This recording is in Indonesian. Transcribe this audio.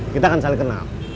kita kan saling kenal